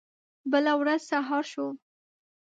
بله ورځ سهار شو.